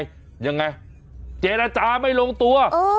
ยังไงเจรจาไม่ลงตัว